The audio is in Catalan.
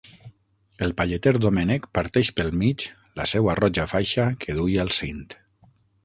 El palleter Doménech parteix pel mig la seua roja faixa que duia al cint.